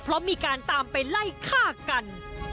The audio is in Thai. เพราะมีการตามไปไล่ฆ่ากัน